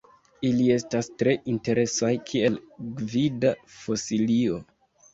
Ili estas tre interesaj kiel gvida fosilio.